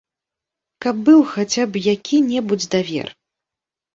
Каб быў хаця б які-небудзь давер.